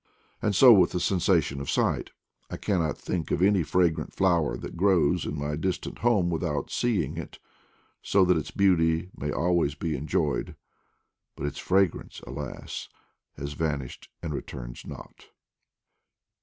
And so ^ith the sen sation of sight; I cannot think of any fragrant flower that grows in my distant home without see ing it, so that its beauty may always be enjoyed; — but its fragrance, alas, has vanished and returns not!